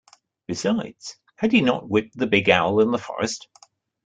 Besides, had he not whipped the big owl in the forest.